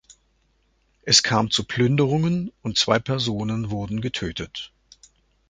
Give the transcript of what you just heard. Es kam zu Plünderungen und zwei Personen wurden getötet.